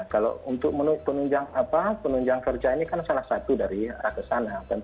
kalau untuk penunjang kerja ini kan salah satu dari kesana